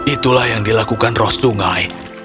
itulah yang dilakukan roh sungai